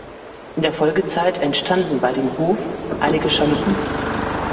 In der Folgezeit entstanden bei dem Hof einige Chaluppen.